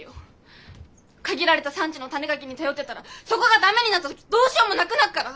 限られた産地の種ガキに頼ってたらそこが駄目になった時どうしようもなくなっから！